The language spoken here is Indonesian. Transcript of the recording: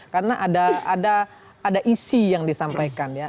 karena ada isi yang disampaikan ya